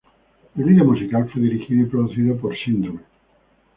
El video musical fue dirigido y producido por Syndrome.